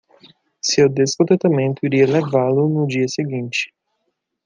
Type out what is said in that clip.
Seu descontentamento iria levá-lo no dia seguinte.